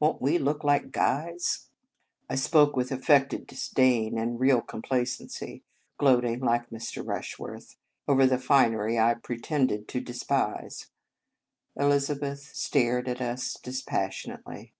Won t we look like guys ?" I spoke with affected disdain and real complacency, gloating like Mr. Rushworth over the finery I pre tended to despise. Elizabeth stared at us dispassionately.